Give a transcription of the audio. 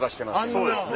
そうですね。